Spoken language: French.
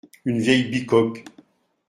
Une vieille bicoque.